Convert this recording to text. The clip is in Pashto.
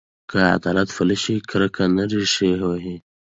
که عدالت پلی شي، کرکه نه ریښې وهي.